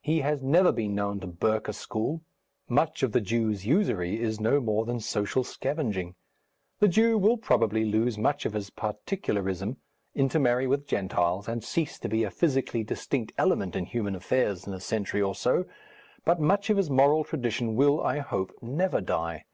He has never been known to burke a school. Much of the Jew's usury is no more than social scavenging. The Jew will probably lose much of his particularism, intermarry with Gentiles, and cease to be a physically distinct element in human affairs in a century or so. But much of his moral tradition will, I hope, never die....